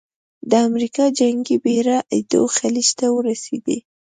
د امریکا جنګي بېړۍ ایدو خلیج ته ورسېدې.